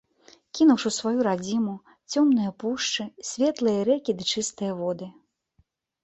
Кінуўшы сваю радзіму, цёмныя пушчы, светлыя рэкі ды чыстыя воды.